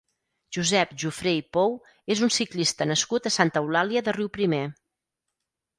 Josep Jufré i Pou és un ciclista nascut a Santa Eulàlia de Riuprimer.